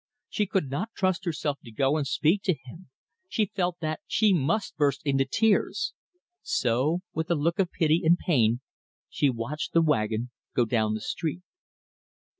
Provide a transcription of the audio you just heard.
She could not trust herself to go and speak to him. She felt that she must burst into tears. So, with a look of pity and pain, she watched the wagon go down the street.